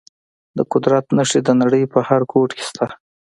د قدرت نښې د نړۍ په هر ګوټ کې شته.